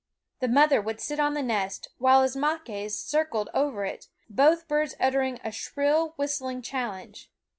The mother would sit on the nest while Ismaques circled over it, both birds uttering a shrill, whistling challenge.